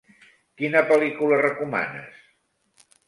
Quina pel·lícula recomanes?